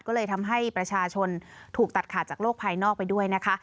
ก็เลยทำให้ประชาชนถูกตัดขาดจากโลกภายนอกไปด้วยนะคะ